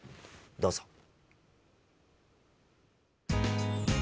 どうぞ。